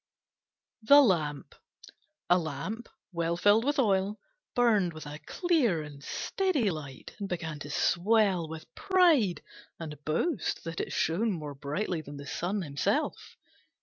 THE LAMP A Lamp, well filled with oil, burned with a clear and steady light, and began to swell with pride and boast that it shone more brightly than the sun himself.